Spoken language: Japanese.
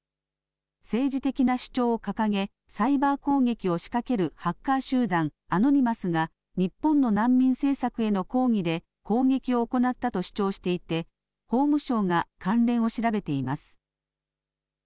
政治的な主張を掲げサイバー攻撃を仕掛けるハッカー集団アノニマスが日本の難民政策への抗議で攻撃を行ったと主張していて法務省が関連を調べています。